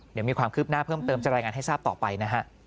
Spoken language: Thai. เดี๋ยวมีความคืบหน้าเพิ่มเติมจะรายงานให้ทราบต่อไปนะฮะ